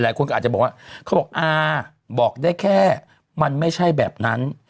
หลายคนก็อาจจะบอกว่าเขาบอกอาบอกได้แค่มันไม่ใช่แบบนั้น